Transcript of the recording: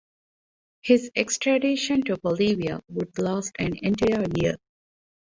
His extradition to Bolivia would last an entire year.